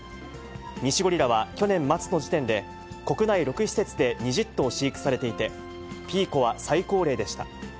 ニシゴリラは去年末の時点で、国内６施設で２０頭飼育されていて、ピーコは最高齢でした。